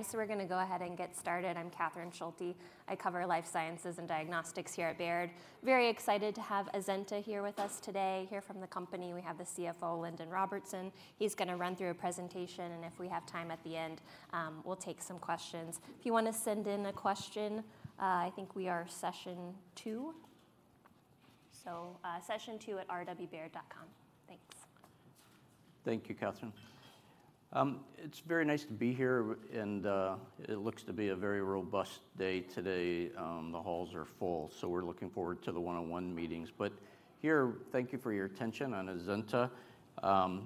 So we're gonna go ahead and get started. I'm Catherine Schulte. I cover life sciences and diagnostics here at Baird. Very excited to have Azenta here with us today. Here from the company, we have the CFO, Lindon Robertson. He's gonna run through a presentation, and if we have time at the end, we'll take some questions. If you wanna send in a question, I think we are session two, so, session2@rwbaird.com. Thanks. Thank you, Catherine. It's very nice to be here, and it looks to be a very robust day today. The halls are full, so we're looking forward to the one-on-one meetings. But here, thank you for your attention on Azenta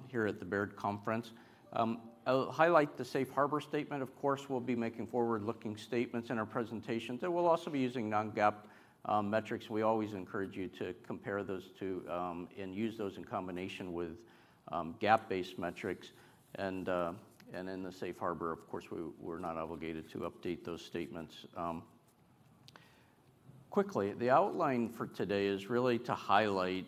here at the Baird conference. I'll highlight the safe harbor statement. Of course, we'll be making forward-looking statements in our presentation, and we'll also be using Non-GAAP metrics. We always encourage you to compare those to and use those in combination with GAAP-based metrics. In the Safe Harbor, of course, we're not obligated to update those statements. Quickly, the outline for today is really to highlight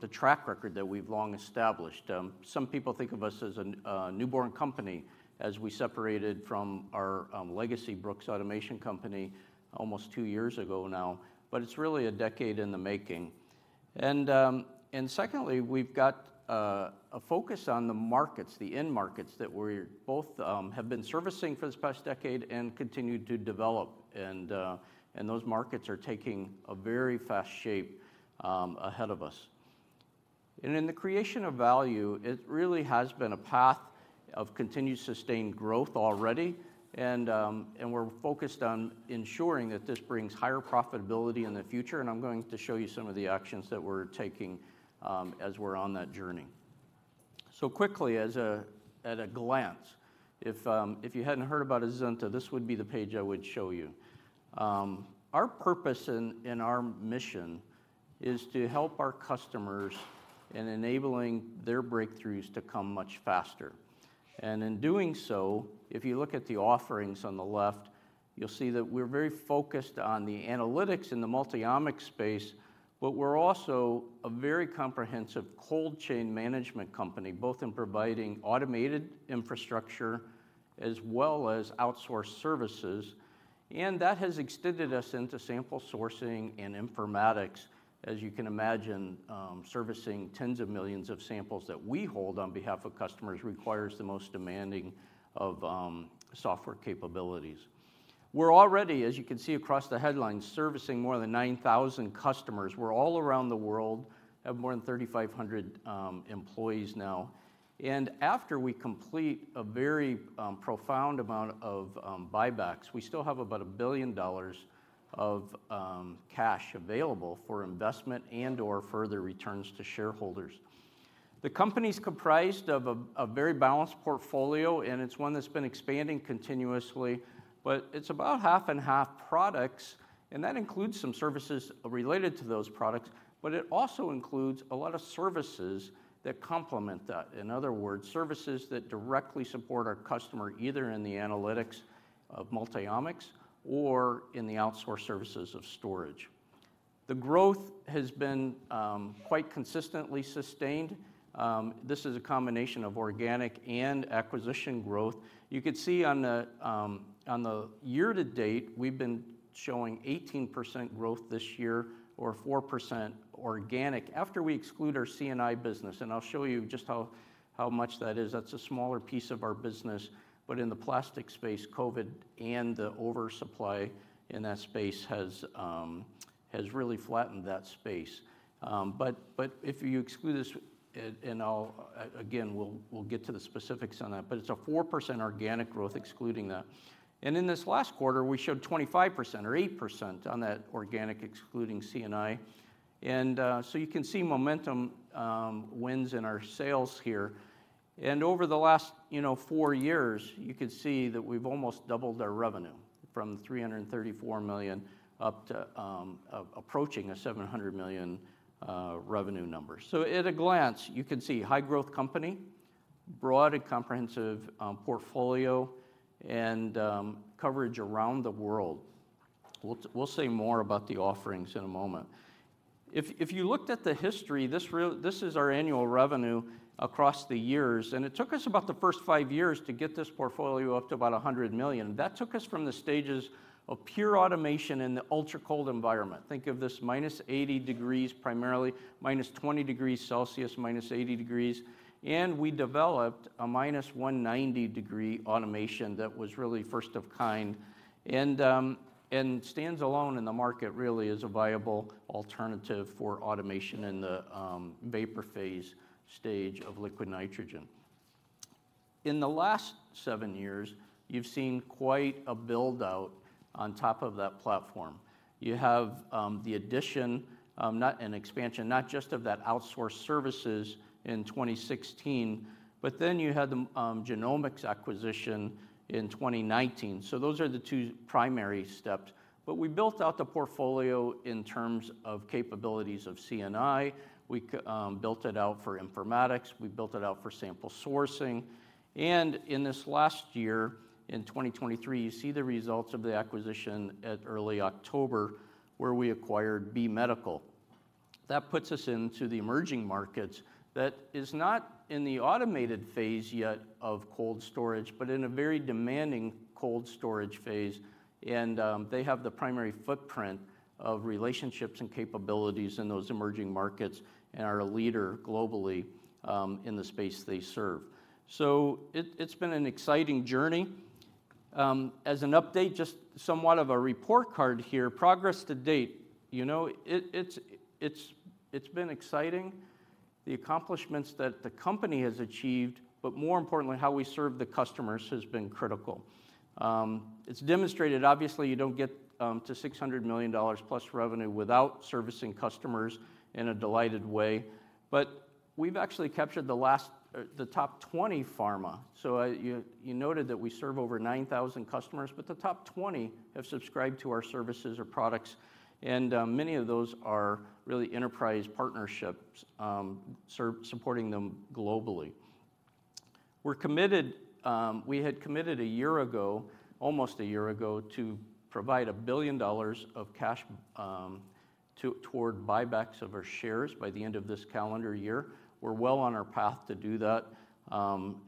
the track record that we've long established. Some people think of us as an newborn company, as we separated from our legacy Brooks Automation company almost two years ago now, but it's really a decade in the making. Secondly, we've got a focus on the markets, the end markets, that we're both have been servicing for this past decade and continue to develop, and those markets are taking a very fast shape ahead of us. In the creation of value, it really has been a path of continued sustained growth already, and we're focused on ensuring that this brings higher profitability in the future, and I'm going to show you some of the actions that we're taking as we're on that journey. So quickly, at a glance, if you hadn't heard about Azenta, this would be the page I would show you. Our purpose and our mission is to help our customers in enabling their breakthroughs to come much faster. And in doing so, if you look at the offerings on the left, you'll see that we're very focused on the analytics in the multiomics space, but we're also a very comprehensive cold chain management company, both in providing automated infrastructure as well as outsourced services, and that has extended us into sample sourcing and informatics. As you can imagine, servicing tens of millions of samples that we hold on behalf of customers requires the most demanding of software capabilities. We're already, as you can see across the headlines, servicing more than 9,000 customers. We're all around the world, have more than 3,500 employees now, and after we complete a very profound amount of buybacks, we still have about $1 billion of cash available for investment and/or further returns to Shareholders. The company's comprised of a very balanced portfolio, and it's one that's been expanding continuously, but it's about half and half products, and that includes some services related to those products, but it also includes a lot of services that complement that. In other words, services that directly support our customer, either in the analytics of Multiomics or in the outsourced services of storage. The growth has been quite consistently sustained. This is a combination of organic and acquisition growth. You could see on the, on the year-to-date, we've been showing 18% growth this year, or 4% organic after we exclude our C&I business, and I'll show you just how much that is. That's a smaller piece of our business, but in the plastic space, COVID and the oversupply in that space has really flattened that space. But if you exclude this, and I'll... Again, we'll get to the specifics on that, but it's a 4% organic growth excluding that. And in this last quarter, we showed 25% or 8% on that organic, excluding C&I. And so you can see momentum, wins in our sales here. Over the last, you know, 4 years, you can see that we've almost doubled our revenue from $334 million up to approaching a $700 million revenue number. At a glance, you can see high growth company, broad and comprehensive portfolio, and coverage around the world. We'll say more about the offerings in a moment. If you looked at the history, this is our annual revenue across the years, and it took us about the first 5 years to get this portfolio up to about $100 million. That took us from the stages of pure automation in the ultracold environment. Think of this -80 degrees, primarily, -20 degrees Celsius, -80 degrees, and we developed a -190-degree automation that was really first-of-kind, and stands alone in the market, really, as a viable alternative for automation in the vapor phase stage of liquid nitrogen. In the last 7 years, you've seen quite a build-out on top of that platform. You have the addition and expansion, not just of that outsourced services in 2016, but then you had the genomics acquisition in 2019. So those are the two primary steps, but we built out the portfolio in terms of capabilities of C&I. We built it out for informatics, we built it out for sample sourcing, and in this last year, in 2023, you see the results of the acquisition at early October, where we acquired B Medical. That puts us into the emerging markets, that is not in the automated phase yet of cold storage, but in a very demanding cold storage phase, and they have the primary footprint of relationships and capabilities in those emerging markets, and are a leader globally in the space they serve. So it, it's been an exciting journey. As an update, just somewhat of a report card here, progress to date, you know, it's been exciting, the accomplishments that the company has achieved, but more importantly, how we serve the customers has been critical. It's demonstrated obviously, you don't get to $600 million plus revenue without servicing customers in a delighted way, but we've actually captured the top 20 pharma. So, you noted that we serve over 9,000 customers, but the top 20 have subscribed to our services or products, and many of those are really enterprise partnerships supporting them globally. We're committed. We had committed a year ago, almost a year ago, to provide $1 billion of cash toward buybacks of our shares by the end of this calendar year. We're well on our path to do that.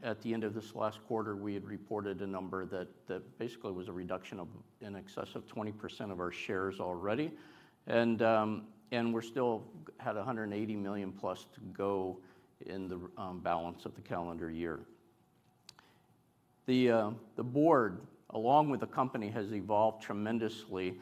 At the end of this last quarter, we had reported a number that basically was a reduction of in excess of 20% of our shares already. We're still at $180 million plus to go in the balance of the calendar year. The board, along with the company, has evolved tremendously.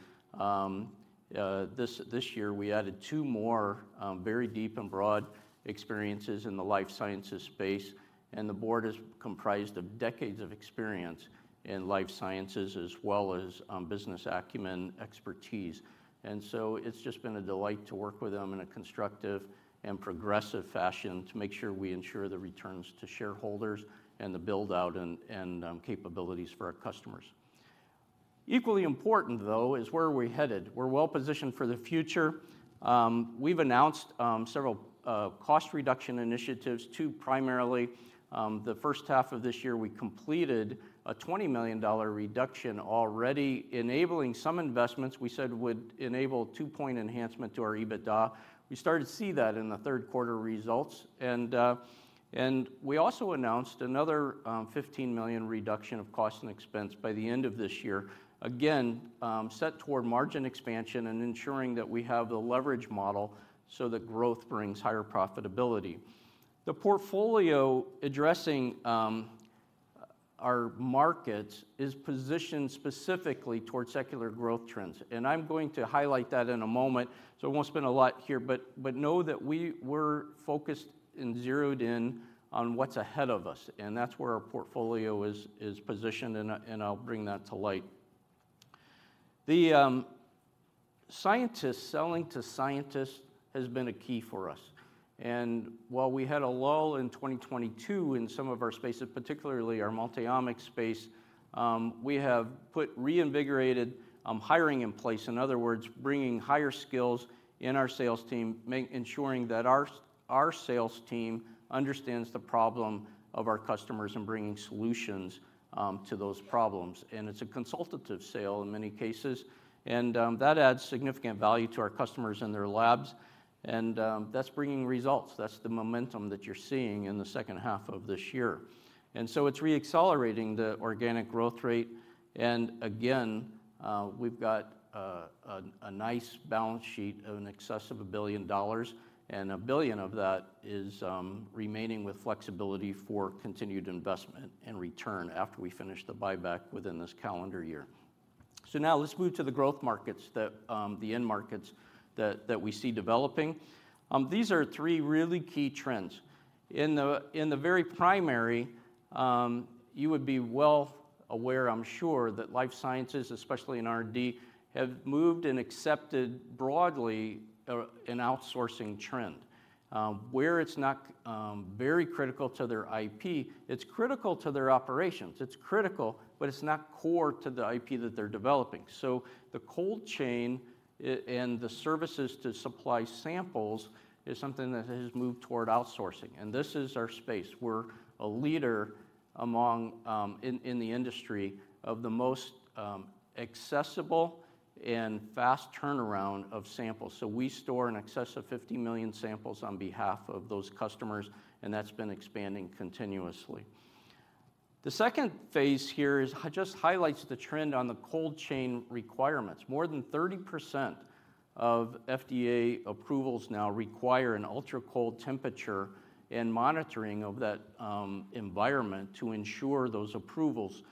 This year, we added two more very deep and broad experiences in the life sciences space, and the board is comprised of decades of experience in life sciences, as well as business acumen expertise. It's just been a delight to work with them in a constructive and progressive fashion to make sure we ensure the returns to Shareholders and the build-out and capabilities for our customers. Equally important, though, is where are we headed? We're well positioned for the future. We've announced several cost reduction initiatives, two primarily. The first half of this year, we completed a $20 million reduction, already enabling some investments we said would enable a 2-point enhancement to our EBITDA. We started to see that in the third quarter results. We also announced another $15 million reduction of cost and expense by the end of this year. Again, set toward margin expansion and ensuring that we have the leverage model so that growth brings higher profitability. The portfolio addressing our markets is positioned specifically towards secular growth trends, and I'm going to highlight that in a moment, so I won't spend a lot here, but know that we're focused and zeroed in on what's ahead of us, and that's where our portfolio is positioned, and I'll bring that to light. The... Scientists, selling to scientists has been a key for us, and while we had a lull in 2022 in some of our spaces, particularly our Multiomics space, we have put reinvigorated hiring in place. In other words, bringing higher skills in our sales team, ensuring that our sales team understands the problem of our customers and bringing solutions to those problems. And it's a consultative sale in many cases, and that adds significant value to our customers and their labs, and that's bringing results. That's the momentum that you're seeing in the second half of this year. And so it's reaccelerating the organic growth rate. Again, we've got a nice balance sheet of in excess of $1 billion, and $1 billion of that is remaining with flexibility for continued investment and return after we finish the buyback within this calendar year. Now let's move to the growth markets that the end markets that we see developing. These are three really key trends. In the very primary, you would be well aware, I'm sure, that life sciences, especially in R&D, have moved and accepted broadly an outsourcing trend. Where it's not very critical to their IP, it's critical to their operations. It's critical, but it's not core to the IP that they're developing. So the cold chain and the services to supply samples is something that has moved toward outsourcing, and this is our space. We're a leader in the industry of the most accessible and fast turnaround of samples. So we store in excess of 50 million samples on behalf of those customers, and that's been expanding continuously. The second phase here is just highlights the trend on the cold chain requirements. More than 30% of FDA approvals now require an ultracold temperature and monitoring of that environment to ensure those approvals.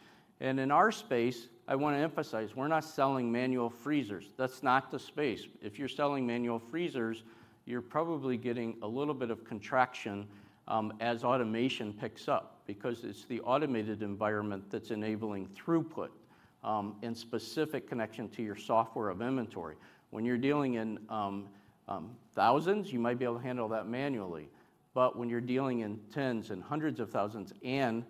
And in our space, I want to emphasize, we're not selling manual freezers. That's not the space. If you're selling manual freezers, you're probably getting a little bit of contraction as automation picks up, because it's the automated environment that's enabling throughput and specific connection to your software of inventory. When you're dealing in thousands, you might be able to handle that manually, but when you're dealing in tens and hundreds of thousands, and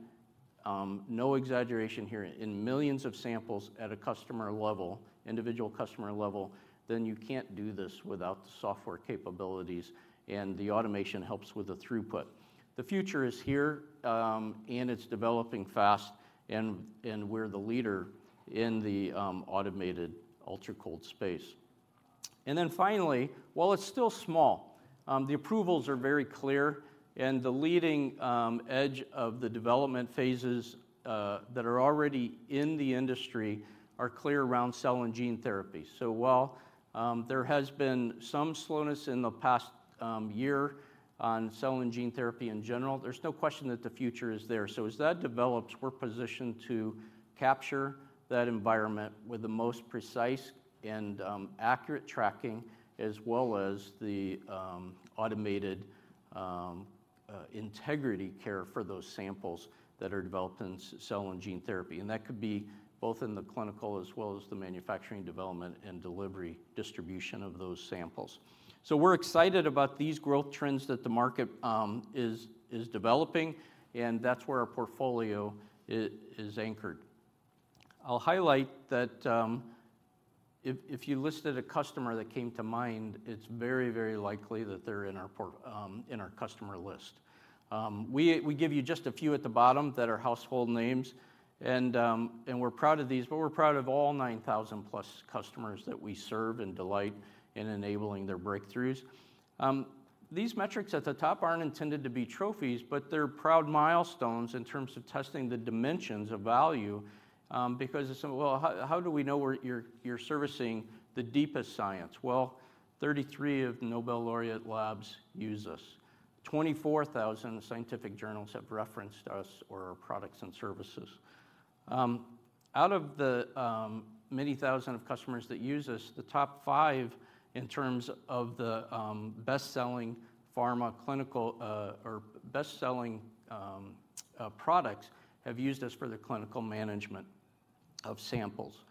no exaggeration here, in millions of samples at a customer level, individual customer level, then you can't do this without the software capabilities, and the automation helps with the throughput. The future is here, and it's developing fast, and we're the leader in the automated ultracold space. Then finally, while it's still small, the approvals are very clear, and the leading edge of the development phases that are already in the industry are clear around Cell and Gene Therapy. So while there has been some slowness in the past year on Cell and Gene Therapy in general, there's no question that the future is there. So as that develops, we're positioned to capture that environment with the most precise and accurate tracking, as well as the automated integrity care for those samples that are developed in cell and gene therapy. And that could be both in the clinical as well as the manufacturing development and delivery, distribution of those samples. So we're excited about these growth trends that the market is developing, and that's where our portfolio is anchored. I'll highlight that, if you listed a customer that came to mind, it's very, very likely that they're in our portfolio, in our customer list. We give you just a few at the bottom that are household names, and we're proud of these, but we're proud of all 9,000 plus customers that we serve and delight in enabling their breakthroughs. These metrics at the top aren't intended to be trophies, but they're proud milestones in terms of testing the dimensions of value. Well, how do we know you're servicing the deepest science? Well, 33 of the Nobel laureate labs use us. 24,000 scientific journals have referenced us or our products and services. Out of the many thousand of customers that use us, the top five in terms of the best-selling pharma, clinical, or best-selling products, have used us for their clinical management of samples.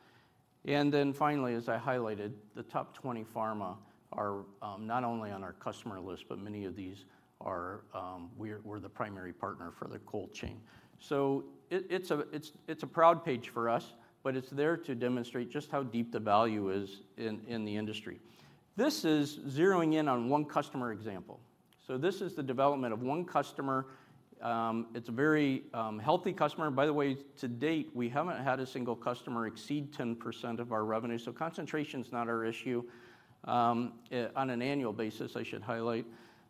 And then finally, as I highlighted, the top 20 pharma are not only on our customer list, but many of these are, we're the primary partner for their cold chain. So it's a proud page for us, but it's there to demonstrate just how deep the value is in the industry. This is zeroing in on one customer example. So this is the development of one customer. It's a very healthy customer. By the way, to date, we haven't had a single customer exceed 10% of our revenue, so concentration's not our issue on an annual basis, I should highlight.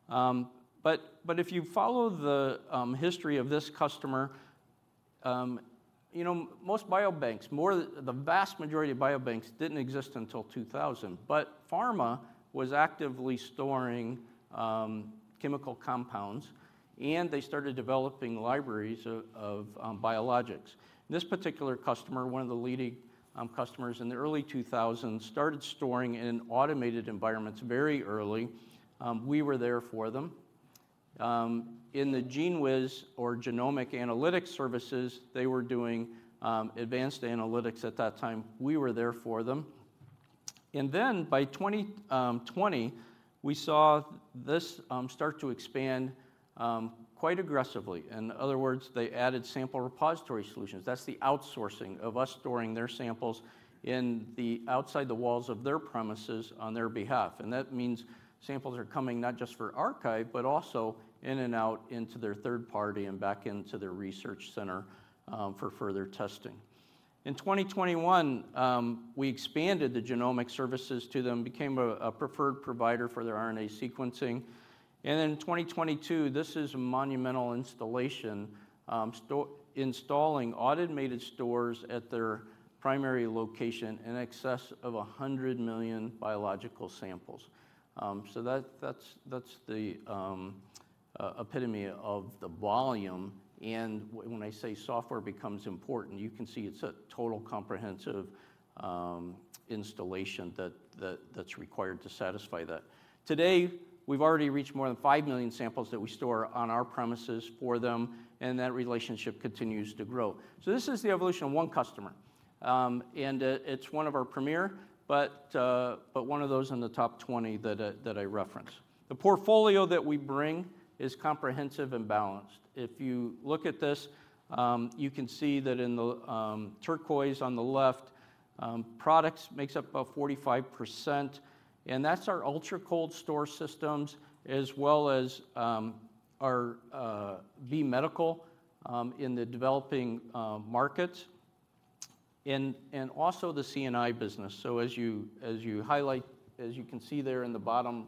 But if you follow the history of this customer, you know, most biobanks... The vast majority of biobanks didn't exist until 2000, but pharma was actively storing chemical compounds, and they started developing libraries of biologics. This particular customer, one of the leading customers in the early 2000s, started storing in automated environments very early. We were there for them. In the GENEWIZ or genomic analytic services, they were doing advanced analytics at that time. We were there for them. And then by 2020, we saw this start to expand quite aggressively. In other words, they added Sample Repository Solutions. That's the outsourcing of us storing their samples outside the walls of their premises on their behalf. And that means samples are coming not just for archive, but also in and out, into their third party and back into their research center for further testing. In 2021, we expanded the genomic services to them, became a preferred provider for their RNA sequencing. And then in 2022, this is a monumental installation, installing automated stores at their primary location in excess of 100 million biological samples. So that's the epitome of the volume, and when I say software becomes important, you can see it's a total comprehensive installation that's required to satisfy that. Today, we've already reached more than 5 million samples that we store on our premises for them, and that relationship continues to grow. So this is the evolution of one customer, and it's one of our premier, but one of those in the top 20 that I referenced. The portfolio that we bring is comprehensive and balanced. If you look at this, you can see that in the turquoise on the left, products makes up about 45%, and that's our ultracold storage systems, as well as our B Medical in the developing markets, and also the C&I business. So as you highlight, as you can see there in the bottom,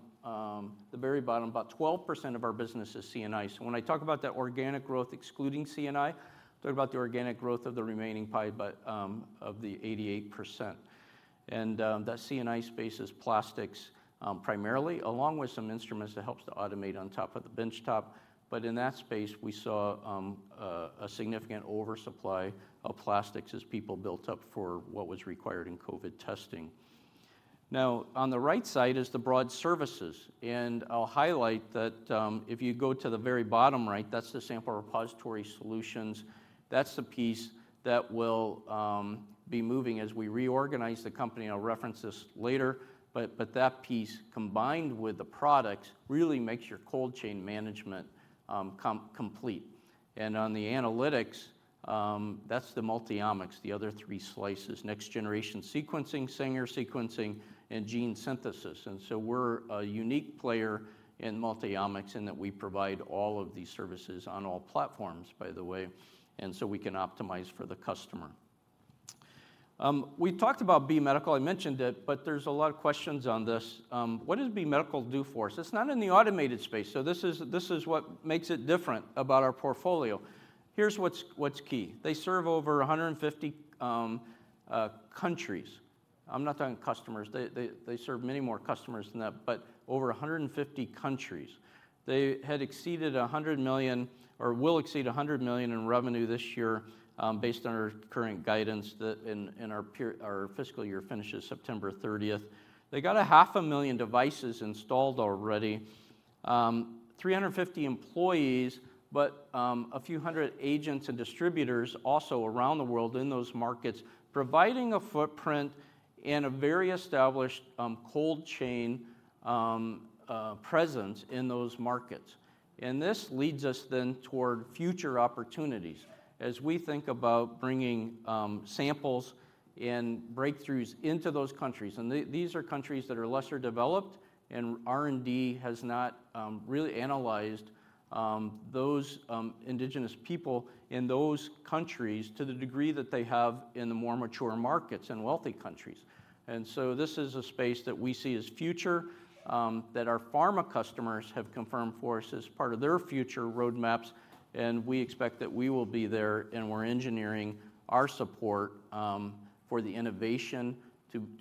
the very bottom, about 12% of our business is C&I. So when I talk about that organic growth excluding C&I, talk about the organic growth of the remaining pie, but of the 88%. And that C&I space is plastics, primarily, along with some instruments that helps to automate on top of the benchtop. But in that space, we saw a significant oversupply of plastics as people built up for what was required in COVID testing. Now, on the right side is the broad services, and I'll highlight that, if you go to the very bottom right, that's the Sample Repository Solutions. That's the piece that will be moving as we reorganize the company, and I'll reference this later. But that piece, combined with the products, really makes your cold chain management complete. And on the analytics, that's the multi-omics, the other three slices: next-generation sequencing, Sanger sequencing, and gene synthesis. And so we're a unique player in multi-omics in that we provide all of these services on all platforms, by the way, and so we can optimize for the customer. We talked about B Medical, I mentioned it, but there's a lot of questions on this. What does B Medical do for us? It's not in the automated space, so this is what makes it different about our portfolio. Here's what's key. They serve over 150 countries. I'm not talking customers. They serve many more customers than that, but over 150 countries. They had exceeded $100 million or will exceed $100 million in revenue this year, based on our current guidance that our fiscal year finishes September 30. They got 500,000 devices installed already. 350 employees, but a few hundred agents and distributors also around the world in those markets, providing a footprint and a very established cold chain presence in those markets. And this leads us then toward future opportunities as we think about bringing samples and breakthroughs into those countries. These are countries that are lesser developed, and R&D has not really analyzed those indigenous people in those countries to the degree that they have in the more mature markets and wealthy countries. This is a space that we see as future, that our pharma customers have confirmed for us as part of their future roadmaps, and we expect that we will be there, and we're engineering our support for the innovation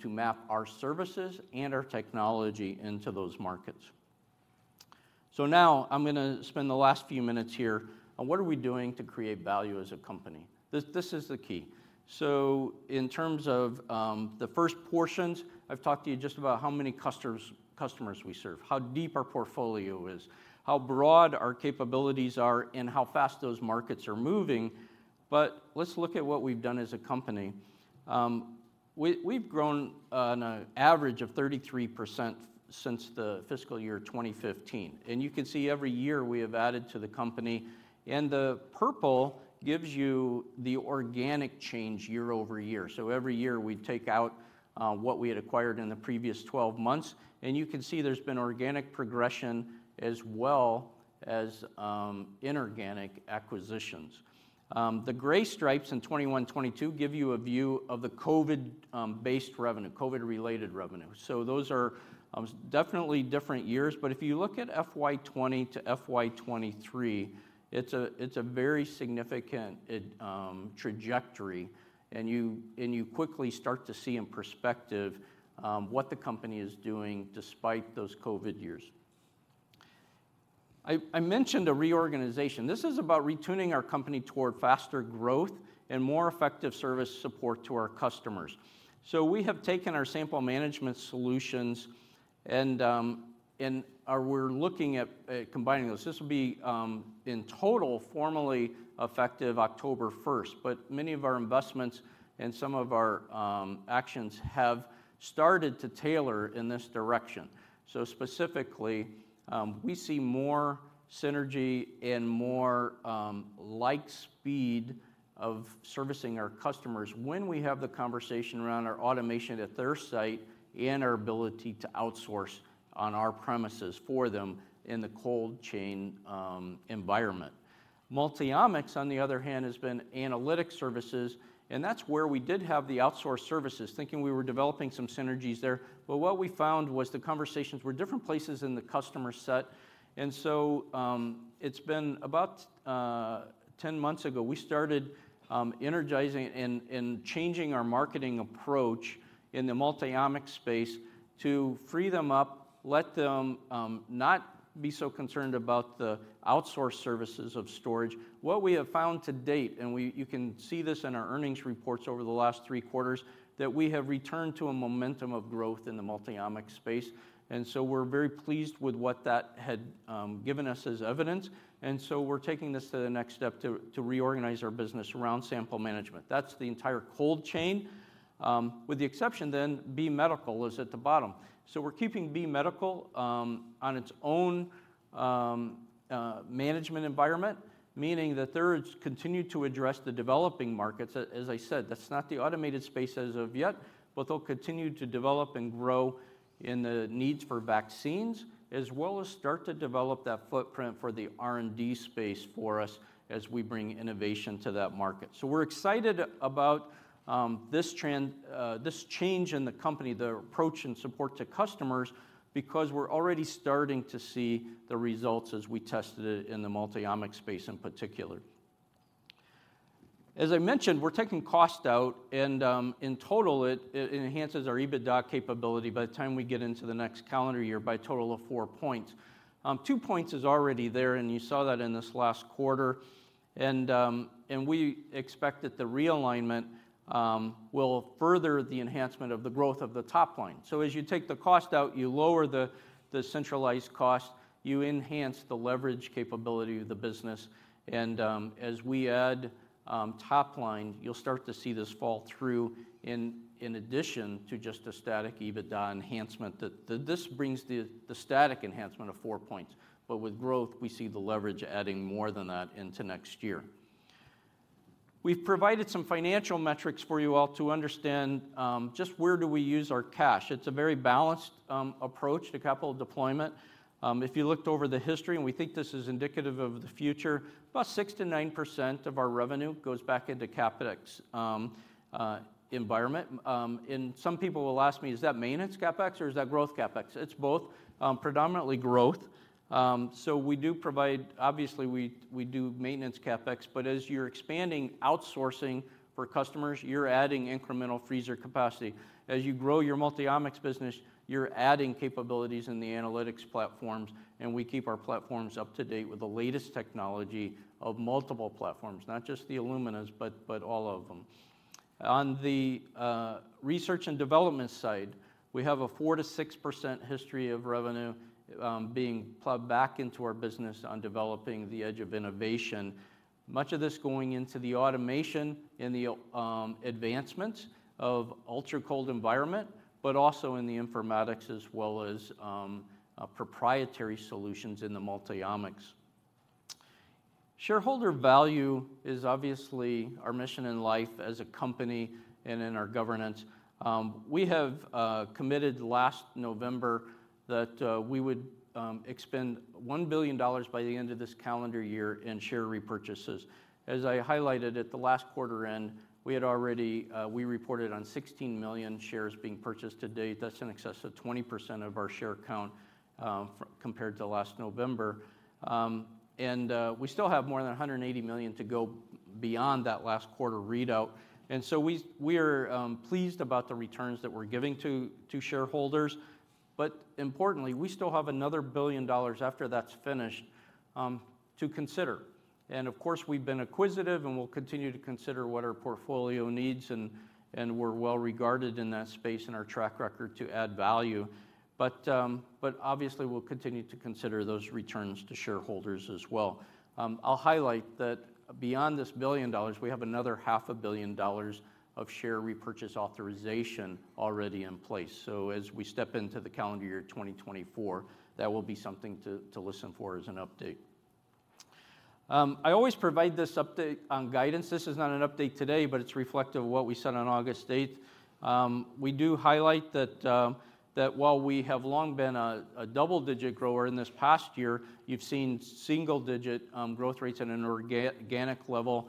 to map our services and our technology into those markets. Now I'm gonna spend the last few minutes here on what are we doing to create value as a company. This is the key. In terms of the first portions, I've talked to you just about how many customers we serve, how deep our portfolio is, how broad our capabilities are, and how fast those markets are moving. Let's look at what we've done as a company. We've grown on an average of 33% since the fiscal year 2015, and you can see every year we have added to the company, and the purple gives you the organic change year-over-year. So every year, we take out what we had acquired in the previous 12 months, and you can see there's been organic progression as well as inorganic acquisitions. The gray stripes in 2021, 2022 give you a view of the COVID-based revenue, COVID-related revenue. So those are definitely different years. But if you look at FY 2020 to FY 2023, it's a very significant trajectory, and you quickly start to see in perspective what the company is doing despite those COVID years. I mentioned a reorganization. This is about retuning our company toward faster growth and more effective service support to our customers. We have taken our Sample Management Solutions and we're looking at combining those. This will be, in total, formally effective October first, but many of our investments and some of our actions have started to tailor in this direction. Specifically, we see more synergy and more light speed of servicing our customers when we have the conversation around our automation at their site and our ability to outsource on our premises for them in the cold chain environment. Multiomics, on the other hand, has been analytic services, and that's where we did have the outsource services, thinking we were developing some synergies there. But what we found was the conversations were different places in the customer set. So, it's been about 10 months ago, we started energizing and changing our marketing approach in the multiomics space to free them up, let them not be so concerned about the outsource services of storage. What we have found to date, and you can see this in our earnings reports over the last 3 quarters, that we have returned to a momentum of growth in the multiomics space, and so we're very pleased with what that had given us as evidence. So we're taking this to the next step to reorganize our business around sample management. That's the entire cold chain. With the exception then, B Medical is at the bottom. So we're keeping B Medical on its own management environment, meaning that they continue to address the developing markets. As I said, that's not the automated space as of yet, but they'll continue to develop and grow in the needs for vaccines, as well as start to develop that footprint for the R&D space for us as we bring innovation to that market. So we're excited about this trend, this change in the company, the approach and support to customers, because we're already starting to see the results as we tested it in the Multiomics space in particular. As I mentioned, we're taking cost out, and in total, it enhances our EBITDA capability by the time we get into the next calendar year by a total of four points. Two points is already there, and you saw that in this last quarter, and we expect that the realignment will further the enhancement of the growth of the top line. So as you take the cost out, you lower the centralized cost, you enhance the leverage capability of the business, and as we add top line, you'll start to see this fall through, in addition to just a static EBITDA enhancement, that this brings the static enhancement of four points. But with growth, we see the leverage adding more than that into next year. We've provided some financial metrics for you all to understand just where do we use our cash? It's a very balanced approach to capital deployment. If you looked over the history, and we think this is indicative of the future, about 6%-9% of our revenue goes back into CapEx environment. And some people will ask me: "Is that maintenance CapEx, or is that growth CapEx?" It's both. Predominantly growth. So we do provide. Obviously, we, we do maintenance CapEx, but as you're expanding outsourcing for customers, you're adding incremental freezer capacity. As you grow your Multiomics business, you're adding capabilities in the analytics platforms, and we keep our platforms up to date with the latest technology of multiple platforms, not just the Illumina's, but, but all of them. On the research and development side, we have a 4%-6% history of revenue being plugged back into our business on developing the edge of innovation, much of this going into the automation and the advancements of ultracold environment, but also in the informatics, as well as proprietary solutions in the Multiomics. Shareholder value is obviously our mission in life as a company and in our governance. We have committed last November that we would expend $1 billion by the end of this calendar year in share repurchases. As I highlighted at the last quarter end, we had already-- we reported on 16 million shares being purchased to date. That's in excess of 20% of our share count, compared to last November. We still have more than $180 million to go beyond that last quarter readout, and so we are pleased about the returns that we're giving to Shareholders. But importantly, we still have another $1 billion after that's finished to consider. And of course, we've been acquisitive, and we'll continue to consider what our portfolio needs, and we're well regarded in that space and our track record to add value. But, but obviously, we'll continue to consider those returns to Shareholders as well. I'll highlight that beyond this $1 billion, we have another $500 million of share repurchase authorization already in place. So as we step into the calendar year 2024, that will be something to, to listen for as an update. I always provide this update on guidance. This is not an update today, but it's reflective of what we said on August 8th. We do highlight that, that while we have long been a, a double-digit grower in this past year, you've seen single-digit, growth rates at an organic level.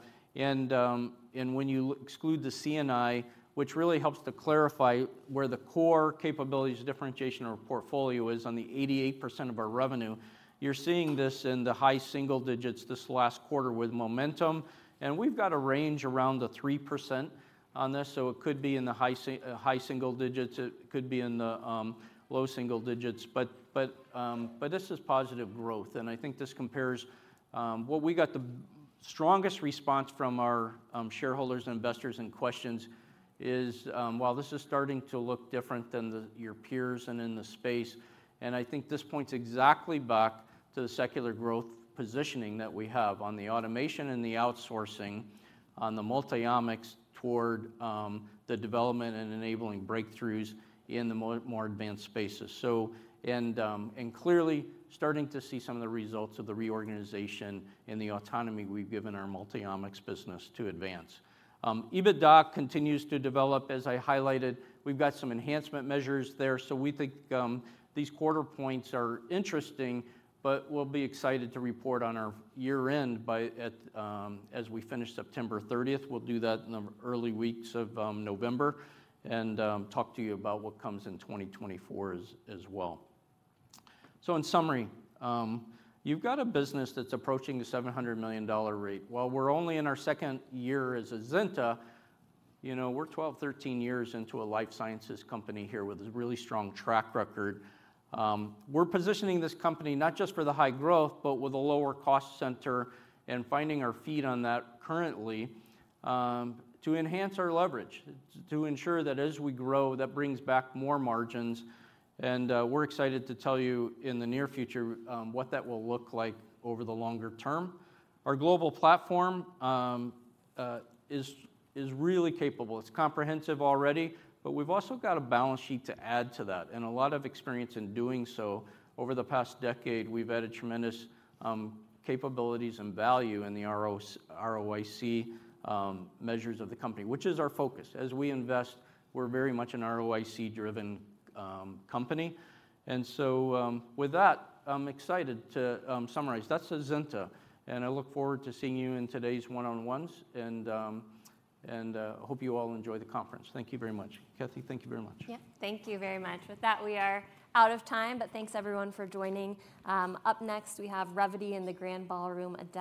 When you exclude the C&I, which really helps to clarify where the core capabilities, differentiation of our portfolio is on the 88% of our revenue, you're seeing this in the high single digits this last quarter with momentum, and we've got a range around the 3% on this, so it could be in the high single digits, it could be in the low single digits, but this is positive growth, and I think this compares... What we got the strongest response from our, Shareholders and investors in questions is, while this is starting to look different than the, your peers and in the space, and I think this points exactly back to the secular growth positioning that we have on the automation and the outsourcing, on the Multiomics toward, the development and enabling breakthroughs in the more advanced spaces. So, and clearly starting to see some of the results of the reorganization and the autonomy we've given our Multiomics business to advance. EBITDA continues to develop. As I highlighted, we've got some enhancement measures there, so we think, these quarter points are interesting, but we'll be excited to report on our year-end by, at, as we finish September thirtieth. We'll do that in the early weeks of November, and talk to you about what comes in 2024 as well. So in summary, you've got a business that's approaching the $700 million rate. While we're only in our second year as Azenta, you know, we're 12, 13 years into a life sciences company here with a really strong track record. We're positioning this company not just for the high growth, but with a lower cost center and finding our feet on that currently, to enhance our leverage, to ensure that as we grow, that brings back more margins, and we're excited to tell you in the near future, what that will look like over the longer term. Our global platform is really capable. It's comprehensive already, but we've also got a balance sheet to add to that and a lot of experience in doing so. Over the past decade, we've added tremendous capabilities and value in the ROIC measures of the company, which is our focus. As we invest, we're very much an ROIC-driven company. And so, with that, I'm excited to summarize. That's Azenta, and I look forward to seeing you in today's one-on-ones, and hope you all enjoy the conference. Thank you very much. Catherine, thank you very much. Yeah, thank you very much. With that, we are out of time, but thanks, everyone, for joining. Up next, we have Revvity in the Grand Ballroom.